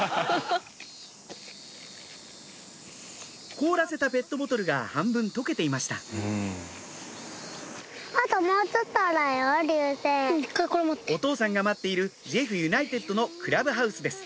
凍らせたペットボトルが半分解けていましたお父さんが待っているジェフユナイテッドのクラブハウスです